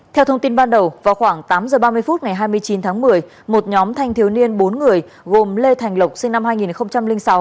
theo thông tin ban đầu vào khoảng tám h ba mươi phút ngày hai mươi chín tháng một mươi một nhóm thanh thiếu niên bốn người gồm lê thành lộc sinh năm hai nghìn sáu